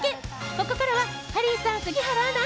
ここからはハリーさん、杉原アナ